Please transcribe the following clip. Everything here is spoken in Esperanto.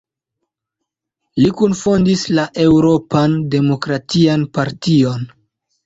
Li kunfondis la Eŭropan Demokratian Partion.